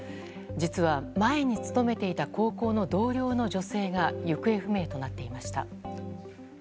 実は前に勤めていた高校の同僚の女性が行方不明となっていました。